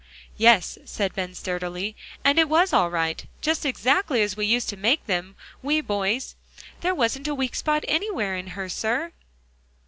"Yes," said Ben sturdily, "and it was all right; just exactly as we used to make them, we boys; there wasn't a weak spot anywhere in her, sir."